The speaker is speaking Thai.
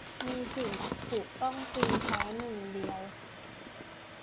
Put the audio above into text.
มีสิ่งถูกต้องจริงแท้หนึ่งเดียว